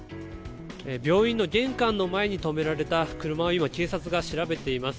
病院の玄関の前に止められた車を今、警察が調べています。